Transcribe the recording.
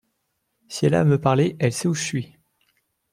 Si elle a à me parler, elle sait où je suis.